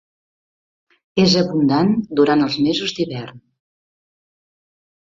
És abundant durant els mesos d'hivern.